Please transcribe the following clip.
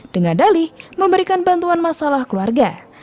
dengan dalih memberikan bantuan masalah keluarga